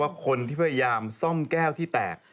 คนที่พยายามซ่อมแก้วที่แตก